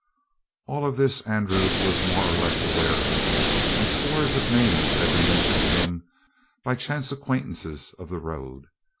All of this Andrew was more or less aware of, and scores of names had been mentioned to him by chance acquaintances of the road.